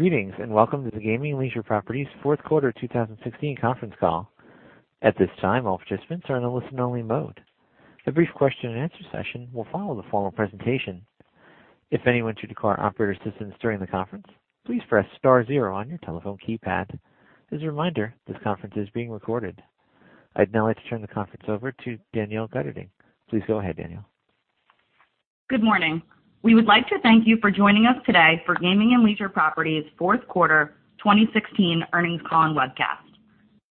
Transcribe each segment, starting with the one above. Greetings, welcome to the Gaming and Leisure Properties fourth quarter 2016 conference call. At this time, all participants are in a listen-only mode. A brief question-and-answer session will follow the formal presentation. If anyone should require operator assistance during the conference, please press star zero on your telephone keypad. A reminder, this conference is being recorded. I'd now like to turn the conference over to Danielle Guterding. Please go ahead, Danielle. Good morning. We would like to thank you for joining us today for Gaming and Leisure Properties fourth quarter 2016 earnings call and webcast.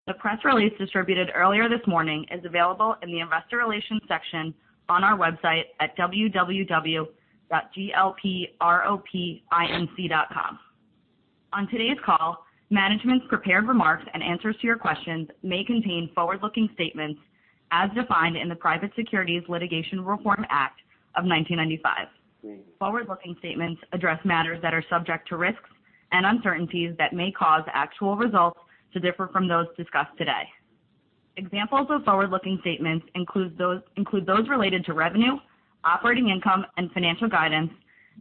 The press release distributed earlier this morning is available in the investor relations section on our website at www.glpropinc.com. On today's call, management's prepared remarks and answers to your questions may contain forward-looking statements as defined in the Private Securities Litigation Reform Act of 1995. Forward-looking statements address matters that are subject to risks and uncertainties that may cause actual results to differ from those discussed today. Examples of forward-looking statements include those related to revenue, operating income, and financial guidance,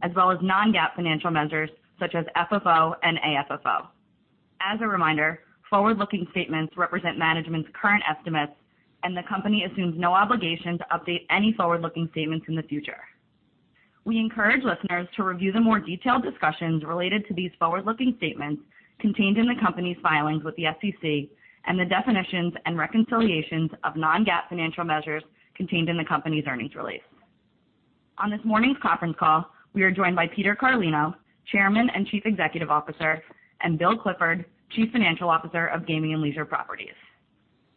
as well as non-GAAP financial measures such as FFO and AFFO. A reminder, forward-looking statements represent management's current estimates, and the company assumes no obligation to update any forward-looking statements in the future. We encourage listeners to review the more detailed discussions related to these forward-looking statements contained in the company's filings with the SEC and the definitions and reconciliations of non-GAAP financial measures contained in the company's earnings release. On this morning's conference call, we are joined by Peter Carlino, Chairman and Chief Executive Officer, and Bill Clifford, Chief Financial Officer of Gaming and Leisure Properties.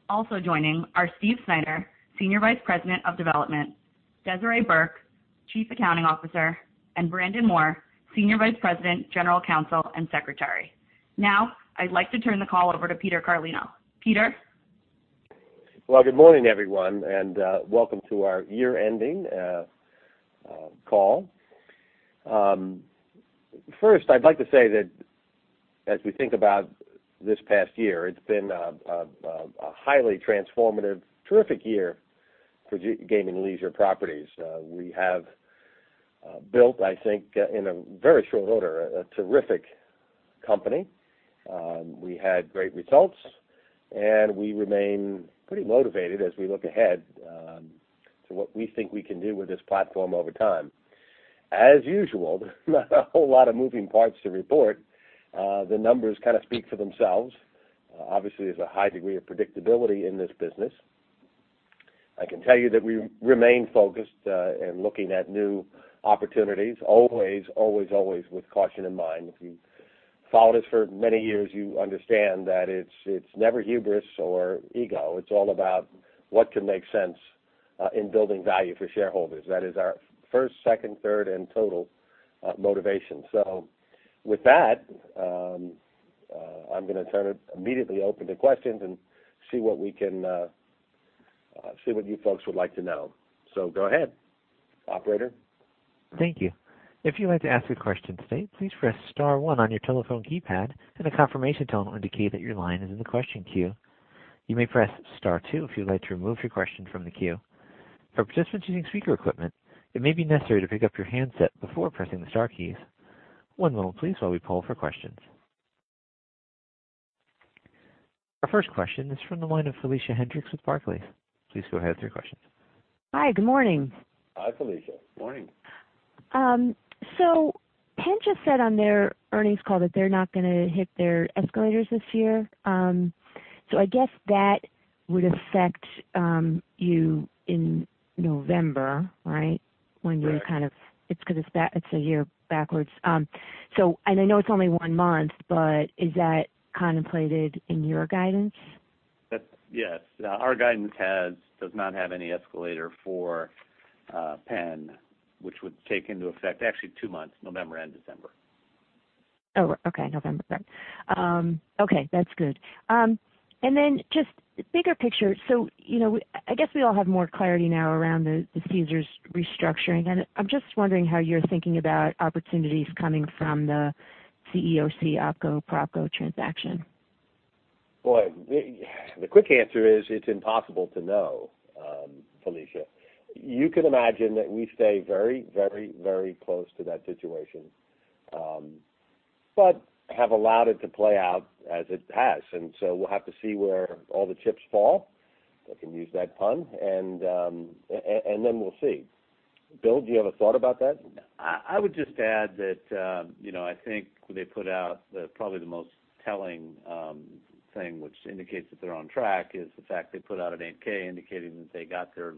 Also joining are Steve Snyder, Senior Vice President of Development, Desiree Burke, Chief Accounting Officer, and Brandon Moore, Senior Vice President, General Counsel, and Secretary. I'd like to turn the call over to Peter Carlino. Peter? Good morning, everyone, and welcome to our year-ending call. I'd like to say that as we think about this past year, it's been a highly transformative, terrific year for Gaming and Leisure Properties. We have built, I think, in a very short order, a terrific company. We had great results, and we remain pretty motivated as we look ahead to what we think we can do with this platform over time. Usual, not a whole lot of moving parts to report. The numbers kind of speak for themselves. Obviously, there's a high degree of predictability in this business. I can tell you that we remain focused and looking at new opportunities, always with caution in mind. If you've followed us for many years, you understand that it's never hubris or ego. It's all about what can make sense in building value for shareholders. That is our first, second, third, and total motivation. With that, I'm going to immediately open to questions and see what you folks would like to know. Go ahead. Operator? Thank you. If you would like to ask a question today, please press star 1 on your telephone keypad, and a confirmation tone will indicate that your line is in the question queue. You may press star 2 if you'd like to remove your question from the queue. For participants using speaker equipment, it may be necessary to pick up your handset before pressing the star keys. One moment please while we poll for questions. Our first question is from the line of Felicia Hendrix with Barclays. Please go ahead with your questions. Hi, good morning. Hi, Felicia. Morning. Penn just said on their earnings call that they're not going to hit their escalators this year. I guess that would affect you in November, right? Right. It's because it's a year backwards. I know it's only one month, but is that contemplated in your guidance? Yes. Our guidance does not have any escalator for Penn, which would take into effect actually two months, November and December. Oh, okay. November. Sorry. Okay, that's good. Then just bigger picture, I guess we all have more clarity now around the Caesars restructuring, and I'm just wondering how you're thinking about opportunities coming from the CEOC OpCo/PropCo transaction. Boy, the quick answer is it's impossible to know, Felicia. You can imagine that we stay very close to that situation, but have allowed it to play out as it has. We'll have to see where all the chips fall. I can use that pun. We'll see. Bill, do you have a thought about that? I would just add that I think they put out probably the most telling thing which indicates that they're on track is the fact they put out an 8-K indicating that they got their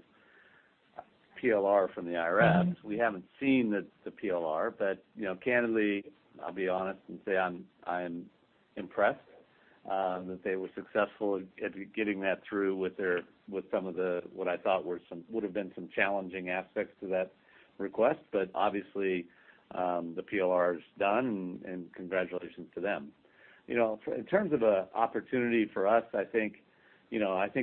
PLR from the IRS. We haven't seen the PLR, candidly, I'll be honest and say I'm impressed that they were successful at getting that through with some of what I thought would've been some challenging aspects to that request. Obviously, the PLR is done, and congratulations to them. In terms of an opportunity for us, I think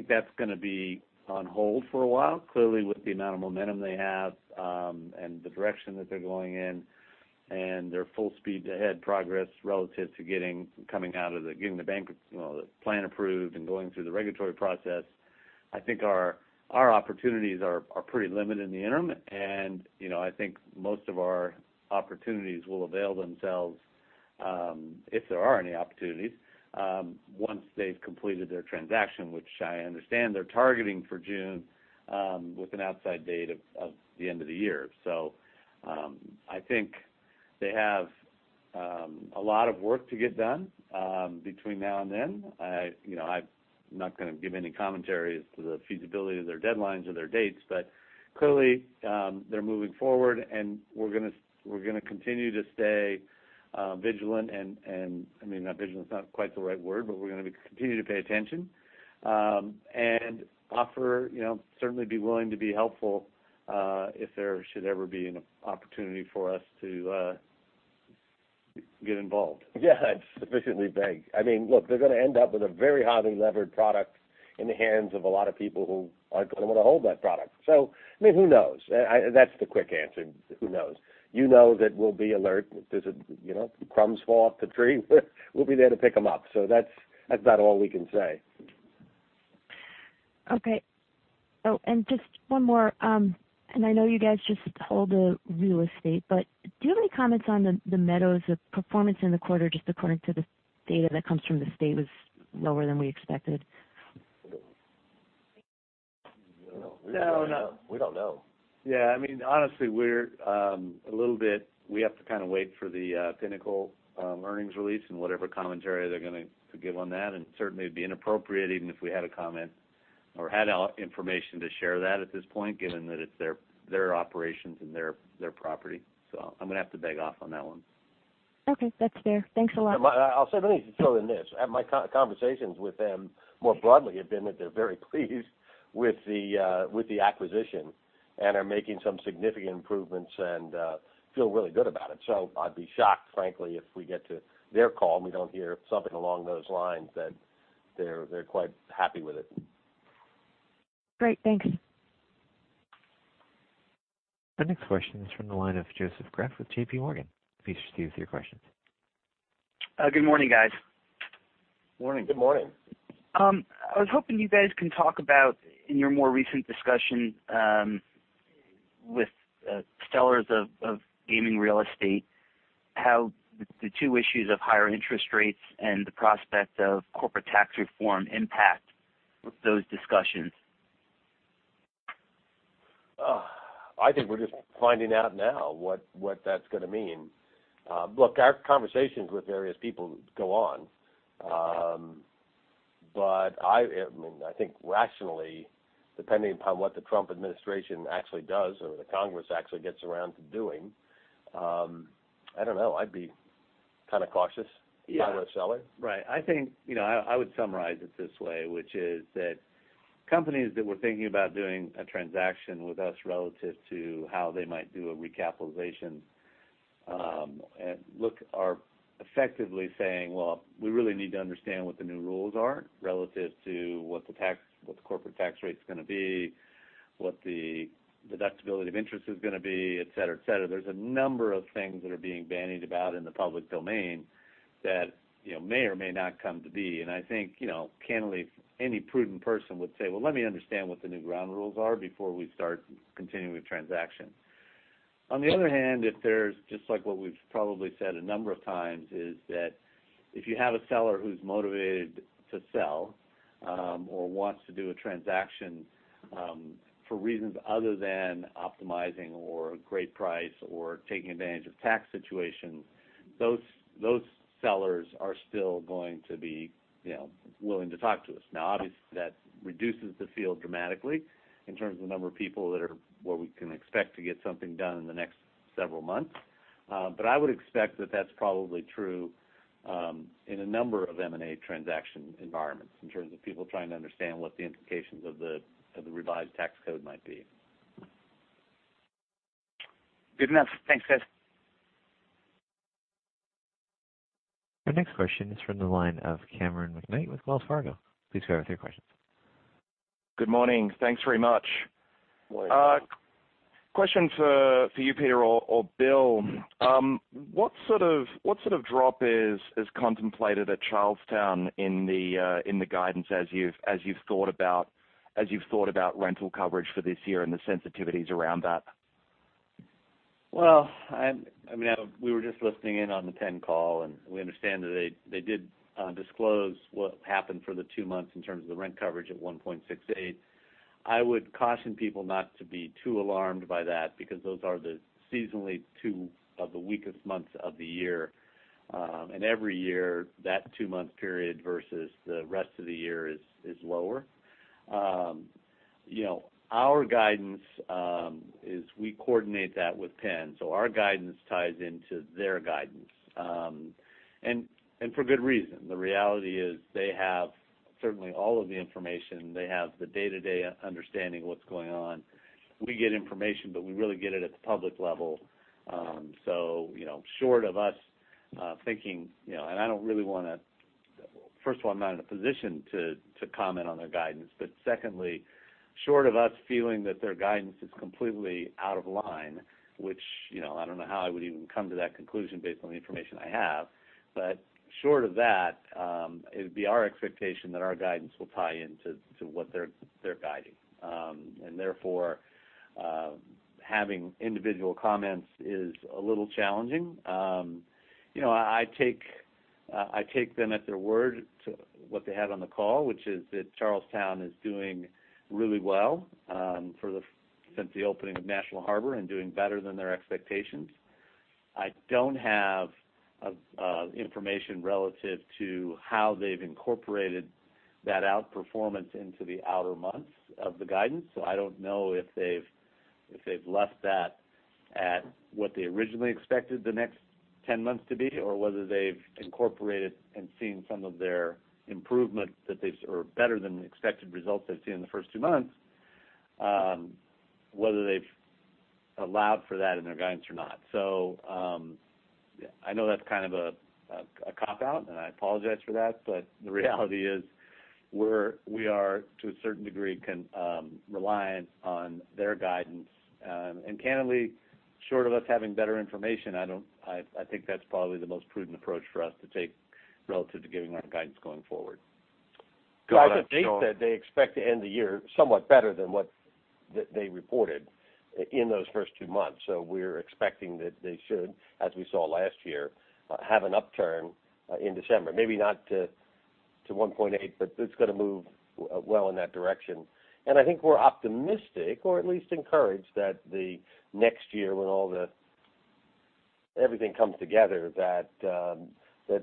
that's going to be on hold for a while. With the amount of momentum they have and the direction that they're going in and their full speed ahead progress relative to getting the plan approved and going through the regulatory process I think our opportunities are pretty limited in the interim, and I think most of our opportunities will avail themselves, if there are any opportunities, once they've completed their transaction, which I understand they're targeting for June, with an outside date of the end of the year. I think they have a lot of work to get done between now and then. I'm not going to give any commentary as to the feasibility of their deadlines or their dates, clearly, they're moving forward and we're going to continue to stay vigilant is not quite the right word, but we're going to continue to pay attention, and offer, certainly be willing to be helpful, if there should ever be an opportunity for us to get involved. Yeah, it's sufficiently vague. Look, they're going to end up with a very highly levered product in the hands of a lot of people who aren't going to want to hold that product. Who knows? That's the quick answer. Who knows? You know that we'll be alert. If crumbs fall off the tree, we'll be there to pick them up. That's about all we can say. Okay. Oh, just one more, and I know you guys just sold the real estate, but do you have any comments on The Meadows? The performance in the quarter, just according to the data that comes from the state, was lower than we expected. No. We don't know. Yeah. Honestly, we have to kind of wait for the Pinnacle earnings release and whatever commentary they're going to give on that. Certainly it'd be inappropriate even if we had a comment or had information to share that at this point, given that it's their operations and their property. I'm going to have to beg off on that one. Okay. That's fair. Thanks a lot. I'll say many to fill in this. My conversations with them more broadly have been that they're very pleased with the acquisition and are making some significant improvements and feel really good about it. I'd be shocked, frankly, if we get to their call and we don't hear something along those lines that they're quite happy with it. Great, thanks. Our next question is from the line of Joseph Greff with J.P. Morgan. Please proceed with your questions. Good morning, guys. Morning. Good morning. I was hoping you guys can talk about, in your more recent discussion with sellers of gaming real estate, how the two issues of higher interest rates and the prospect of corporate tax reform impact those discussions. I think we're just finding out now what that's going to mean. Look, our conversations with various people go on. I think rationally, depending upon what the Trump administration actually does or the Congress actually gets around to doing, I don't know, I'd be kind of cautious if I were a seller. Right. I think I would summarize it this way, which is that companies that were thinking about doing a transaction with us relative to how they might do a recapitalization are effectively saying, "Well, we really need to understand what the new rules are relative to what the corporate tax rate's going to be, what the deductibility of interest is going to be," et cetera. There's a number of things that are being bandied about in the public domain that may or may not come to be. I think, candidly, any prudent person would say, "Well, let me understand what the new ground rules are before we start continuing the transaction." On the other hand, just like what we've probably said a number of times, if you have a seller who's motivated to sell, or wants to do a transaction for reasons other than optimizing or a great price or taking advantage of tax situation, those sellers are still going to be willing to talk to us. Obviously, that reduces the field dramatically in terms of the number of people that we can expect to get something done in the next several months. I would expect that that's probably true in a number of M&A transaction environments in terms of people trying to understand what the implications of the revised tax code might be. Good enough. Thanks, guys. Our next question is from the line of Cameron McKnight with Wells Fargo. Please go ahead with your questions. Good morning. Thanks very much. Morning. Morning. Question for you, Peter or Bill. What sort of drop is contemplated at Charles Town in the guidance as you've thought about rental coverage for this year and the sensitivities around that? We were just listening in on the Penn call, and we understand that they did disclose what happened for the two months in terms of the rent coverage at 1.68. I would caution people not to be too alarmed by that because those are the seasonally two of the weakest months of the year. Every year, that two-month period versus the rest of the year is lower. Our guidance is we coordinate that with Penn, our guidance ties into their guidance. For good reason. The reality is they have, certainly all of the information. They have the day-to-day understanding of what's going on. We get information, but we really get it at the public level. First of all, I'm not in a position to comment on their guidance. Secondly, short of us feeling that their guidance is completely out of line, which I don't know how I would even come to that conclusion based on the information I have. Short of that, it would be our expectation that our guidance will tie into to what they're guiding. Therefore, having individual comments is a little challenging. I take them at their word to what they have on the call, which is that Charles Town is doing really well since the opening of National Harbor and doing better than their expectations. I don't have information relative to how they've incorporated that outperformance into the outer months of the guidance. I don't know if they've left that at what they originally expected the next 10 months to be, or whether they've incorporated and seen some of their improvement, or better than expected results they've seen in the first two months, whether they've allowed for that in their guidance or not. I know that's kind of a cop-out, and I apologize for that, the reality is, we are, to a certain degree, reliant on their guidance. Candidly, short of us having better information, I think that's probably the most prudent approach for us to take relative to giving our guidance going forward. Go ahead, Peter. They said they expect to end the year somewhat better than what they reported in those first two months. We're expecting that they should, as we saw last year, have an upturn in December. Maybe not to 1.8, but it's going to move well in that direction. I think we're optimistic or at least encouraged that the next year, when everything comes together, that they're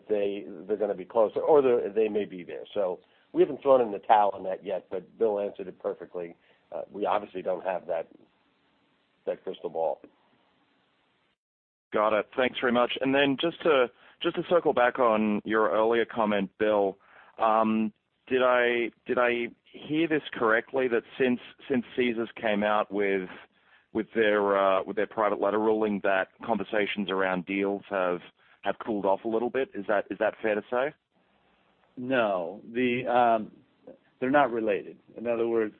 going to be close, or they may be there. We haven't thrown in the towel on that yet, but Bill answered it perfectly. We obviously don't have that crystal ball. Got it. Thanks very much. Then just to circle back on your earlier comment, Bill, did I hear this correctly that since Caesars came out with their private letter ruling, that conversations around deals have cooled off a little bit? Is that fair to say? No. They're not related. In other words,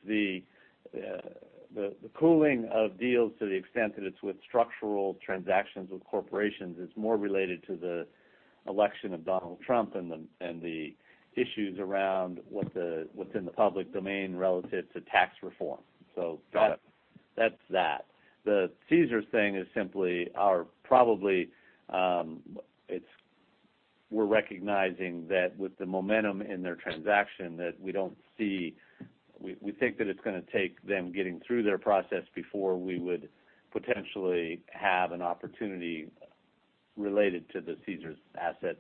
the cooling of deals to the extent that it's with structural transactions with corporations, is more related to the election of Donald Trump and the issues around what's in the public domain relative to tax reform. Got it. That's that. The Caesars thing is simply, we're recognizing that with the momentum in their transaction, that we think that it's going to take them getting through their process before we would potentially have an opportunity related to the Caesars assets.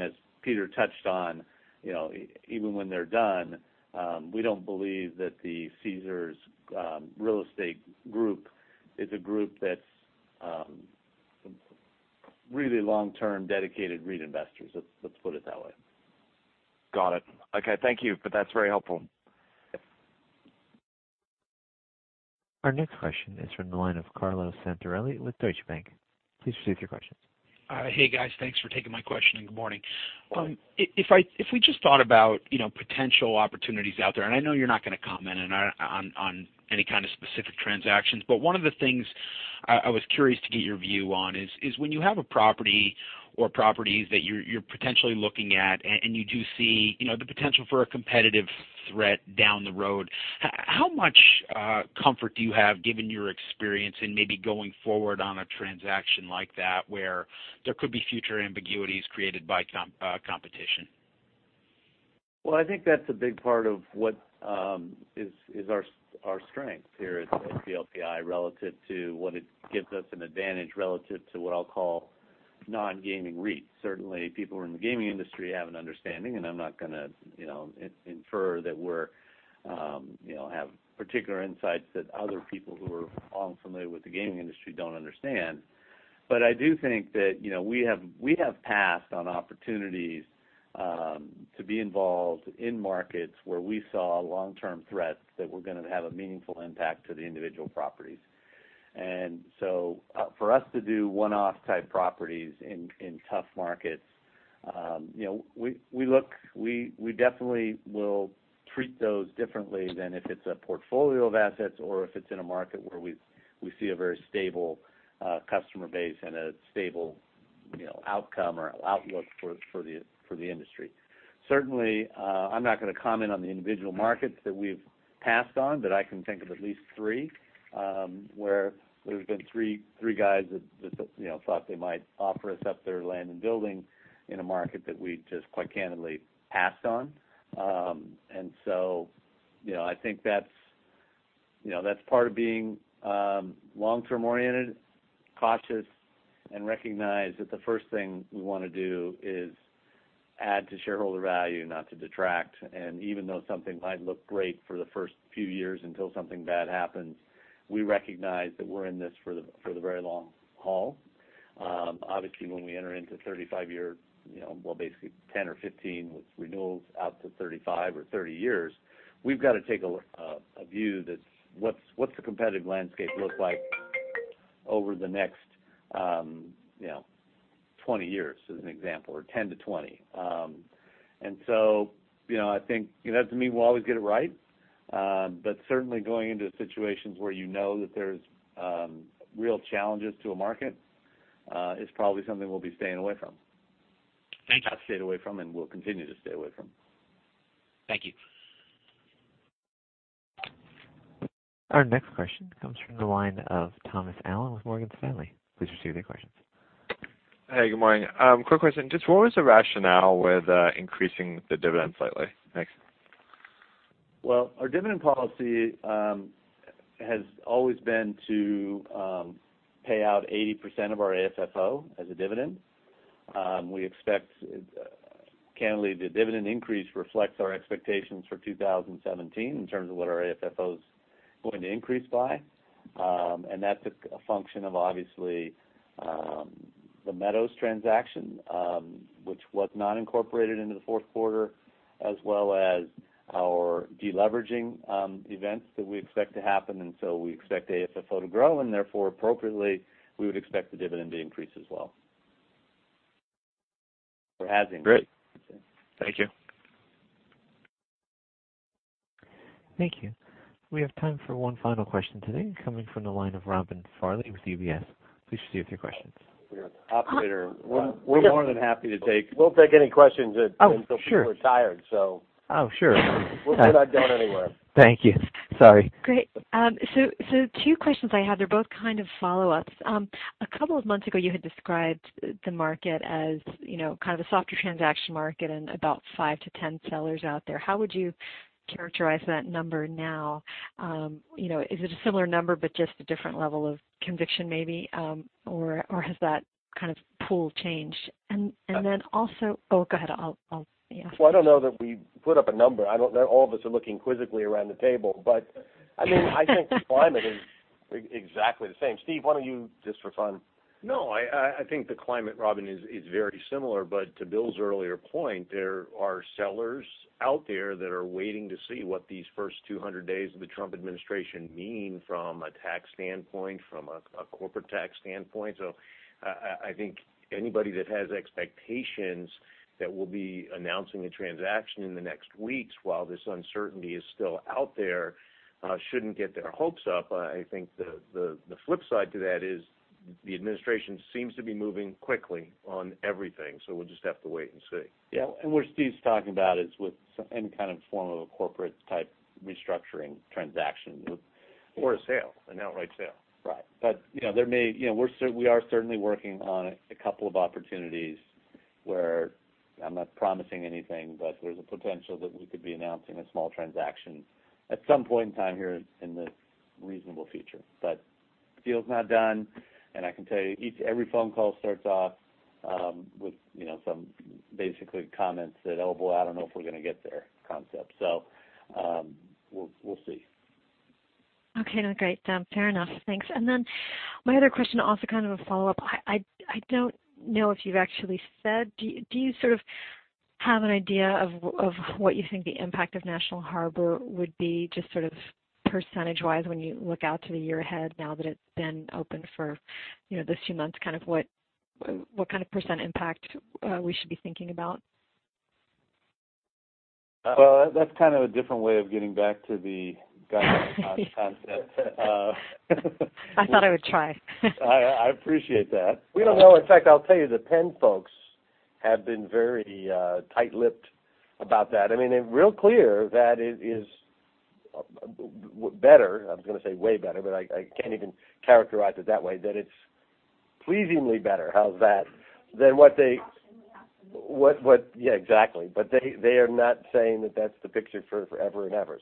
As Peter touched on, even when they're done, we don't believe that the Caesars real estate group is a group that's really long-term dedicated REIT investors, let's put it that way. Got it. Okay. Thank you. That's very helpful. Our next question is from the line of Carlo Santarelli with Deutsche Bank. Please proceed with your question. Hey, guys. Thanks for taking my question, and good morning. If we just thought about potential opportunities out there, and I know you're not going to comment on any kind of specific transactions, but one of the things I was curious to get your view on is, when you have a property or properties that you're potentially looking at and you do see the potential for a competitive threat down the road, how much comfort do you have, given your experience in maybe going forward on a transaction like that, where there could be future ambiguities created by competition? Well, I think that's a big part of what is our strength here at GLPI, relative to what it gives us an advantage relative to what I'll call non-gaming REITs. Certainly, people who are in the gaming industry have an understanding, and I'm not going to infer that we have particular insights that other people who are unfamiliar with the gaming industry don't understand. I do think that we have passed on opportunities to be involved in markets where we saw long-term threats that were going to have a meaningful impact to the individual properties. For us to do one-off type properties in tough markets, we definitely will treat those differently than if it's a portfolio of assets or if it's in a market where we see a very stable customer base and a stable outcome or outlook for the industry. Certainly, I'm not going to comment on the individual markets that we've passed on, but I can think of at least three, where there's been three guys that thought they might offer us up their land and building in a market that we just, quite candidly, passed on. I think that's part of being long-term oriented, cautious, and recognize that the first thing we want to do is add to shareholder value, not to detract. Even though something might look great for the first few years until something bad happens, we recognize that we're in this for the very long haul. Obviously, when we enter into 35-year, well, basically 10 or 15, with renewals out to 35 or 30 years, we've got to take a view that's, what's the competitive landscape look like Over the next 20 years, as an example, or 10 to 20. I think, it doesn't mean we'll always get it right. Certainly going into situations where you know that there's real challenges to a market, is probably something we'll be staying away from. Thank you. Have stayed away from and will continue to stay away from. Thank you. Our next question comes from the line of Thomas Allen with Morgan Stanley. Please proceed with your questions. Hey, good morning. Quick question. Just what was the rationale with increasing the dividend slightly? Thanks. Our dividend policy has always been to pay out 80% of our AFFO as a dividend. We expect, candidly, the dividend increase reflects our expectations for 2017 in terms of what our AFFO's going to increase by. That's a function of obviously, the Meadows transaction, which was not incorporated into the fourth quarter, as well as our de-leveraging events that we expect to happen. We expect AFFO to grow and therefore appropriately, we would expect the dividend to increase as well. Or has increased. Great. Thank you. Thank you. We have time for one final question today, coming from the line of Robin Farley with UBS. Please proceed with your questions. We have an operator. We're more than happy to take- We'll take any questions- Oh, sure. until people are tired. Oh, sure. We're not going anywhere. Thank you. Sorry. Great. Two questions I have, they're both kind of follow-ups. A couple of months ago, you had described the market as kind of a softer transaction market and about five to 10 sellers out there. How would you characterize that number now? Is it a similar number but just a different level of conviction maybe, or has that kind of pool changed? Oh, go ahead. I don't know that we put up a number. All of us are looking quizzically around the table, I think the climate is exactly the same. Steve, why don't you, just for fun? I think the climate, Robin, is very similar, but to Bill's earlier point, there are sellers out there that are waiting to see what these first 200 days of the Trump administration mean from a tax standpoint, from a corporate tax standpoint. I think anybody that has expectations that will be announcing a transaction in the next weeks while this uncertainty is still out there, shouldn't get their hopes up. I think the flip side to that is the administration seems to be moving quickly on everything. We'll just have to wait and see. Yeah. What Steve's talking about is with any kind of form of a corporate-type restructuring transaction with- A sale, an outright sale. Right. We are certainly working on a couple of opportunities where I'm not promising anything, but there's a potential that we could be announcing a small transaction at some point in time here in the reasonable future. Deal's not done, and I can tell you every phone call starts off with some basically comments that, "Oh, boy, I don't know if we're going to get there," concept. We'll see. Okay. No, great. Fair enough. Thanks. My other question also kind of a follow-up. I don't know if you've actually said. Do you sort of have an idea of what you think the impact of National Harbor would be, just sort of percentage-wise when you look out to the year ahead now that it's been open for those few months, what kind of % impact we should be thinking about? That's kind of a different way of getting back to the good-to-bad concept. I thought I would try. I appreciate that. We don't know. In fact, I'll tell you, the Penn folks have been very tight-lipped about that. I mean, they're real clear that it is better. I was going to say way better, but I can't even characterize it that way, that it's pleasingly better. How's that? We ask them. Yeah, exactly. They are not saying that that's the picture for forever and ever.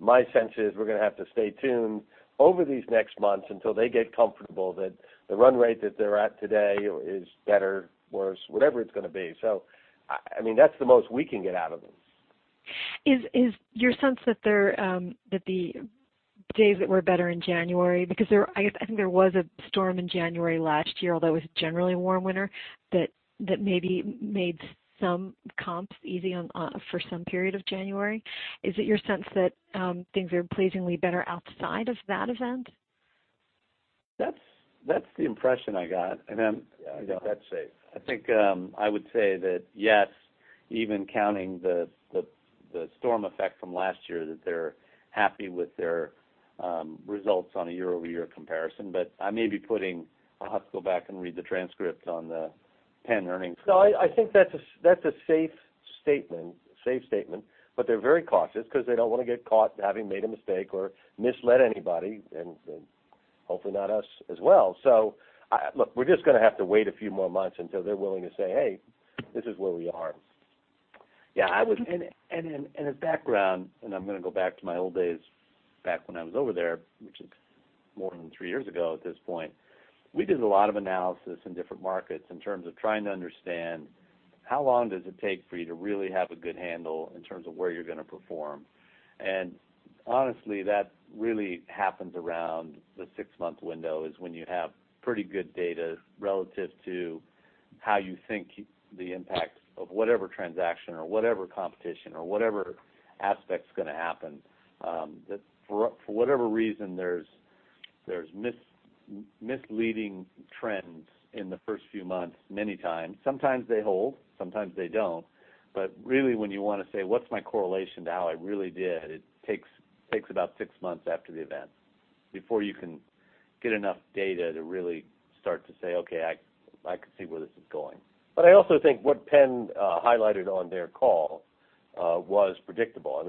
My sense is we're going to have to stay tuned over these next months until they get comfortable that the run rate that they're at today is better, worse, whatever it's going to be. That's the most we can get out of them. Is your sense that the days that were better in January, because I guess, I think there was a storm in January last year, although it was a generally warm winter, that maybe made some comps easy for some period of January. Is it your sense that things are pleasingly better outside of that event? That's the impression I got. Yeah. I think that's safe I think, I would say that, yes, even counting the storm effect from last year, that they're happy with their results on a year-over-year comparison. I may be putting I'll have to go back and read the transcript on the Penn earnings. No, I think that's a safe statement. They're very cautious because they don't want to get caught having made a mistake or misled anybody, and hopefully not us as well. Look, we're just going to have to wait a few more months until they're willing to say, "Hey, this is where we are. Yeah. As background, I'm going to go back to my old days back when I was over there, which is more than three years ago at this point. We did a lot of analysis in different markets in terms of trying to understand how long does it take for you to really have a good handle in terms of where you're going to perform. Honestly, that really happens around the six-month window is when you have pretty good data relative to How you think the impact of whatever transaction or whatever competition or whatever aspect's going to happen. For whatever reason there's misleading trends in the first few months, many times. Sometimes they hold, sometimes they don't. Really, when you want to say, "What's my correlation to how I really did?" It takes about 6 months after the event before you can get enough data to really start to say, "Okay, I can see where this is going." I also think what Penn highlighted on their call was predictable.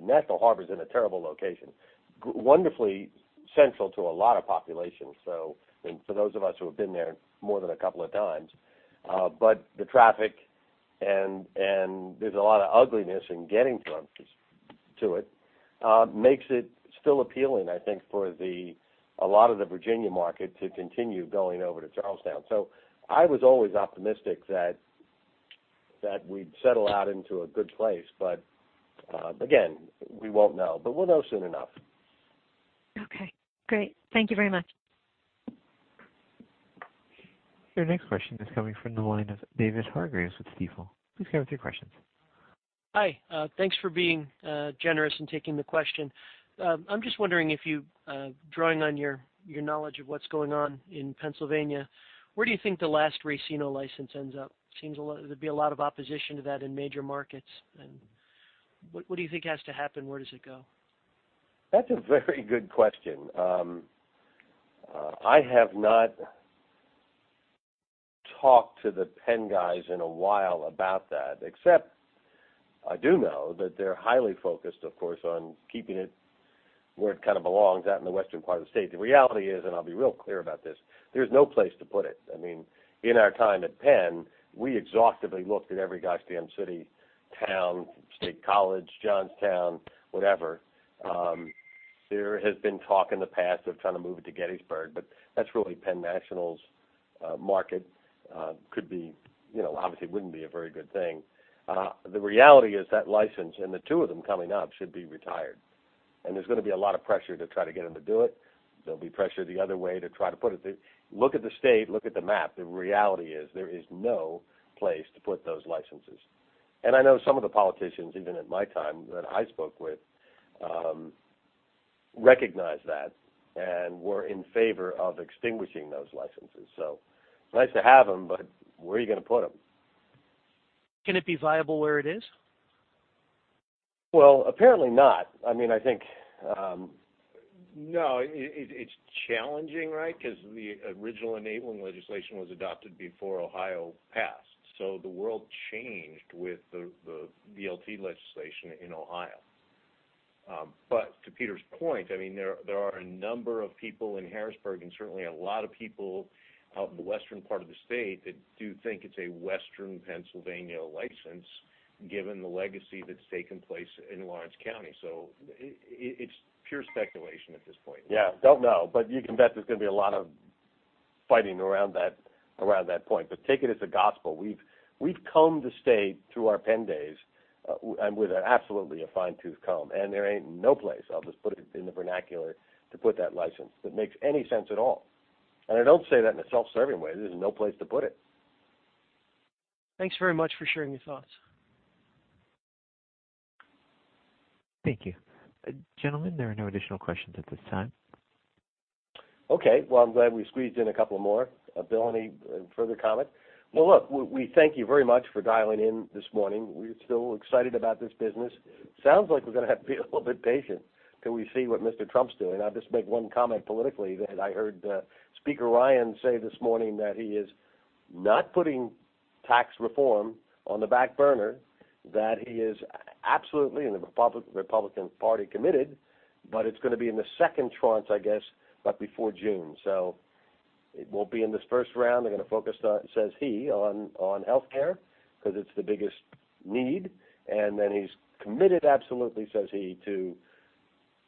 National Harbor's in a terrible location. Wonderfully central to a lot of populations. For those of us who have been there more than a couple of times. The traffic and there's a lot of ugliness in getting to it makes it still appealing, I think, for a lot of the Virginia market to continue going over to Charles Town. I was always optimistic that we'd settle out into a good place. Again, we won't know, but we'll know soon enough. Okay, great. Thank you very much. Your next question is coming from the line of David Hargreaves with Stifel. Please go with your questions. Hi. Thanks for being generous and taking the question. I'm just wondering if you, drawing on your knowledge of what's going on in Pennsylvania, where do you think the last racino license ends up? Seems there'd be a lot of opposition to that in major markets. What do you think has to happen? Where does it go? That's a very good question. I have not talked to the Penn guys in a while about that, except I do know that they're highly focused, of course, on keeping it where it kind of belongs, out in the western part of the state. The reality is, and I'll be real clear about this, there's no place to put it. In our time at Penn, we exhaustively looked at every gosh damn city, town, State College, Johnstown, whatever. There has been talk in the past of trying to move it to Gettysburg, but that's really Penn National's market. Could be, obviously wouldn't be a very good thing. The reality is that license and the two of them coming up should be retired. There's going to be a lot of pressure to try to get them to do it. There'll be pressure the other way to try to put it. Look at the state, look at the map. The reality is there is no place to put those licenses. I know some of the politicians, even at my time that I spoke with, recognized that and were in favor of extinguishing those licenses. Nice to have them, but where are you going to put them? Can it be viable where it is? Well, apparently not. I think, no, it's challenging, right? Because the original enabling legislation was adopted before Ohio passed. The world changed with the VLT legislation in Ohio. To Peter's point, there are a number of people in Harrisburg and certainly a lot of people out in the western part of the state that do think it's a western Pennsylvania license given the legacy that's taken place in Lawrence County. It's pure speculation at this point. Yeah. Don't know. You can bet there's going to be a lot of fighting around that point. Take it as a gospel. We've combed the state through our Penn days, and with absolutely a fine-tooth comb, and there ain't no place, I'll just put it in the vernacular, to put that license that makes any sense at all. I don't say that in a self-serving way. There's just no place to put it. Thanks very much for sharing your thoughts. Thank you. Gentlemen, there are no additional questions at this time. Okay. Well, I'm glad we squeezed in a couple more. Bill, any further comment? Well, look, we thank you very much for dialing in this morning. We're still excited about this business. Sounds like we're going to have to be a little bit patient till we see what Mr. Trump's doing. I'll just make one comment politically, that I heard Speaker Ryan say this morning that he is not putting tax reform on the back burner, that he is absolutely in the Republican Party committed, but it's going to be in the second tranche, I guess, but before June. It won't be in this first round. They're going to focus on, says he, on healthcare because it's the biggest need. He's committed absolutely, says he, to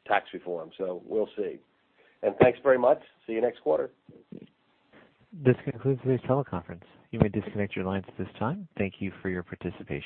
tax reform. We'll see. Thanks very much. See you next quarter. This concludes today's teleconference. You may disconnect your lines at this time. Thank you for your participation.